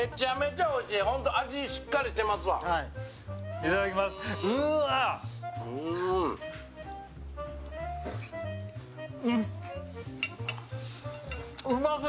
いただきます。